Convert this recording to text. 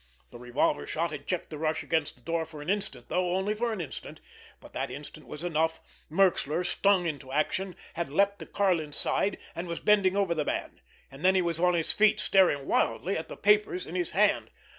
The revolver shot had checked the rush against the door for an instant, though only for an instant, but that instant was enough. Merxler, stung into action, had leapt to Karlin's side, and was bending over the man. And then he was on his feet, staring wildly at the papers in his hand.